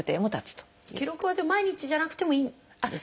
記録は毎日じゃなくてもいいんですか？